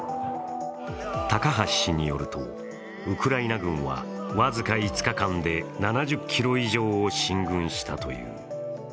高橋氏によると、ウクライナ軍は僅か５日間で７０ｋｍ以上を進軍したという。